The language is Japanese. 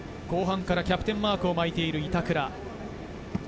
後半からキャプテンマークを巻いている板倉。